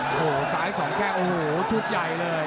โอ้โหซ้ายสองแข้งโอ้โหชุดใหญ่เลย